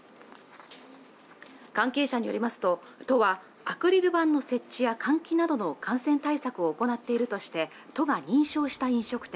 関係者によりますととはアクリル板の設置や換気などの感染対策を行っているとして都が認証した飲食店